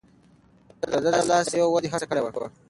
ده د لاس صنايعو ودې هڅه کړې وه.